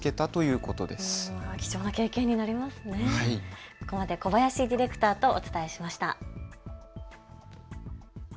ここまで小林ディレクターとお伝えしました。